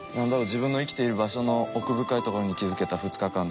自分の生きている場所の奥深いところに気付けた２日間だったという事で。